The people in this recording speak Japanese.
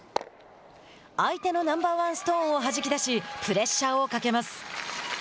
相手のナンバー１ストーンをはじき出しプレッシャーをかけます。